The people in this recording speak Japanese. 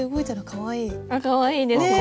かわいいですね。